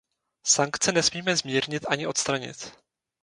Sankce nesmíme zmírnit ani odstranit.